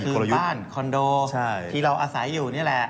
คือบ้านคอนโดที่เราอาศัยอยู่นี่แหละ